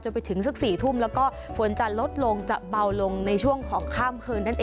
ไปถึงสัก๔ทุ่มแล้วก็ฝนจะลดลงจะเบาลงในช่วงของข้ามคืนนั่นเอง